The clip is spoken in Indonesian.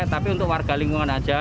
tapi untuk warga lingkungan saja